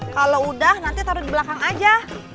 kalau udah nanti taruh di belakang aja